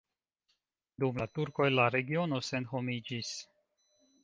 Dum la turkoj la regiono senhomiĝis.